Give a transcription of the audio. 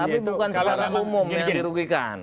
tapi bukan secara umum yang dirugikan